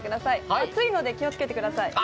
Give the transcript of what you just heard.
熱いので気をつけてください。